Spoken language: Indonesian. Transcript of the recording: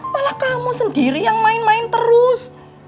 malah kamu sendiri yang main main terus